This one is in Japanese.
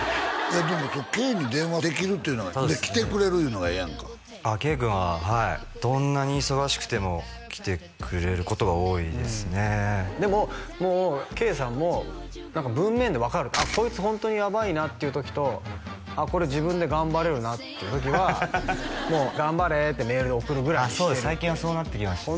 でも圭に電話できるっていうのが来てくれるいうのがええやんかああ圭君ははいどんなに忙しくても来てくれることが多いですねでももう圭さんも何か文面で分かるこいつホントにやばいなっていう時とこれ自分で頑張れるなっていう時はもう頑張れってメールで送るぐらいにしてるって最近はそうなってきましたね